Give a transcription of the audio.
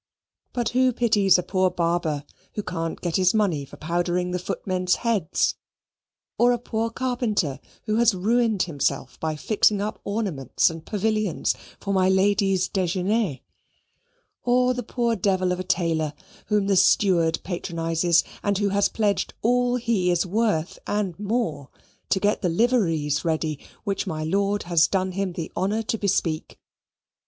But who pities a poor barber who can't get his money for powdering the footmen's heads; or a poor carpenter who has ruined himself by fixing up ornaments and pavilions for my lady's dejeuner; or the poor devil of a tailor whom the steward patronizes, and who has pledged all he is worth, and more, to get the liveries ready, which my lord has done him the honour to bespeak?